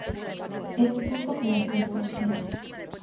É un pouco polas dúas cousas.